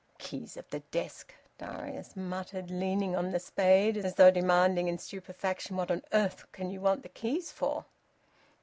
"Keys o' th' desk!" Darius muttered, leaning on the spade, as though demanding in stupefaction, "What on earth can you want the keys for?"